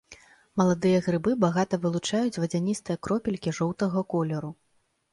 Маладыя грыбы багата вылучаюць вадзяністыя кропелькі жоўтага колеру.